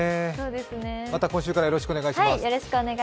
また今週からよろしくお願いします。